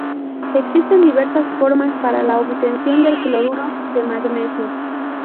Existen diversas formas para la obtención del cloruro de magnesio.